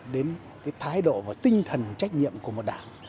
đến cái thái độ và tinh thần trách nhiệm của một đảng